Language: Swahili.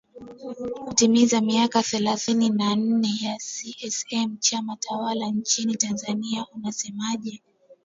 kutimiza miaka thelathini na nne ya ccm chama tawala nchini tanzania unasemaje